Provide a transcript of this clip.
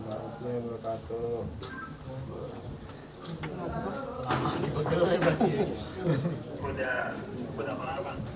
oke cukup teman teman semua